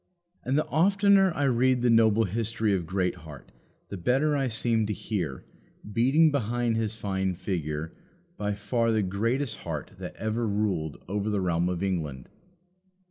And the oftener I read the noble history of Greatheart, the better I seem to hear, beating behind his fine figure, by far the greatest heart that ever ruled over the realm of England.